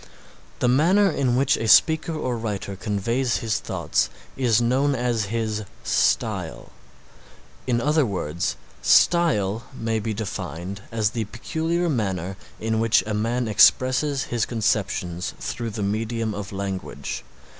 The manner in which a speaker or writer conveys his thoughts is known as his Style. In other words Style may be defined as the peculiar manner in which a man expresses his conceptions through the medium of language.